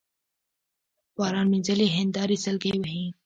باران مينځلي هينداري سلګۍ وهي